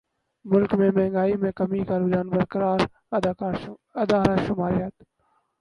ملک میں مہنگائی میں کمی کا رجحان برقرار ادارہ شماریات